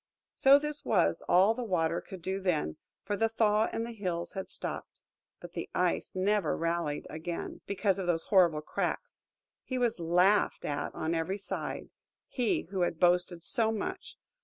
So this was all the Water could do then, for the thaw in the hills had stopped. But the Ice never rallied again, because of those horrible cracks. He was laughed at on every side–he, who had boasted so much!